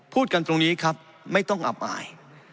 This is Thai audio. พูดกันตรงนี้ครับไม่ต้องอับอาย